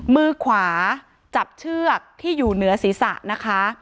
มือขวาจับเชือกที่อยู่เหนือศีรษะนะคะ